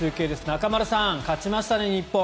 中丸さん勝ちましたね、日本。